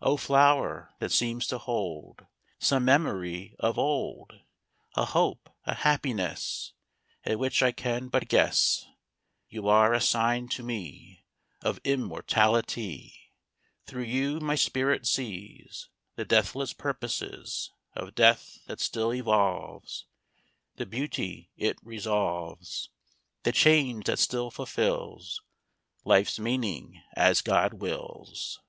VII O flower, that seems to hold Some memory of old, A hope, a happiness, At which I can but guess, You are a sign to me Of immortality: Through you my spirit sees The deathless purposes Of death, that still evolves The beauty it resolves; The change that still fulfils Life's meaning as God wills.